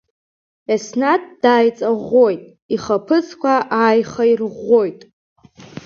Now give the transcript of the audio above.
Еснаҭ дааиҵаӷәӷәоит, ихаԥыцқәа ааихаирӷәӷәоит.